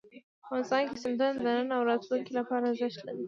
افغانستان کې سیندونه د نن او راتلونکي لپاره ارزښت لري.